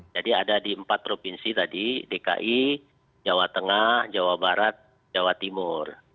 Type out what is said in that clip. jadi ada di empat provinsi tadi dki jawa tengah jawa barat jawa timur